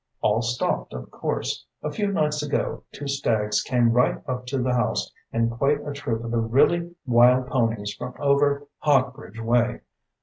"All stopped, of course. A few nights ago, two stags came right up to the house and quite a troop of the really wild ponies from over Hawkbridge way.